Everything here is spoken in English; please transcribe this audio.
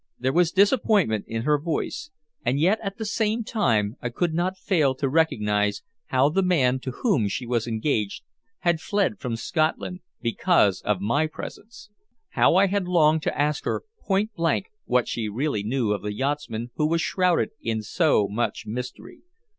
There was disappointment in her voice, and yet at the same time I could not fail to recognize how the man to whom she was engaged had fled from Scotland because of my presence. How I longed to ask her point blank what she really knew of the yachtsman who was shrouded in so much mystery.